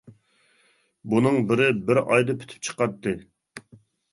بۇنىڭ بىرى بىر ئايدا پۈتۈپ چىقاتتى.